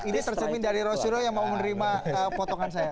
ini tersimpit dari rosyuro yang mau menerima potongan saya